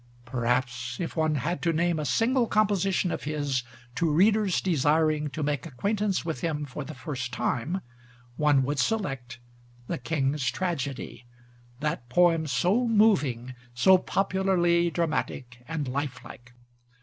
Perhaps, if one had to name a single composition of his to readers desiring to make acquaintance with him for the first time, one would select: The King's Tragedy that poem so moving, so popularly dramatic, and lifelike.